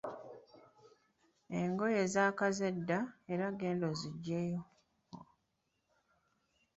Engoye zaakaze dda era genda oziggyeyo.